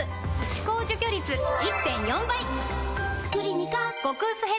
歯垢除去率 １．４ 倍！